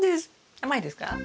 甘いですか？